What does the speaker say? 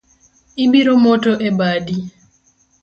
Ibiro moto e badi